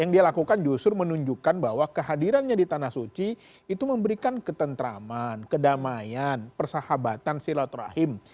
yang dia lakukan justru menunjukkan bahwa kehadirannya di tanah suci itu memberikan ketentraman kedamaian persahabatan silaturahim